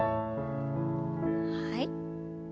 はい。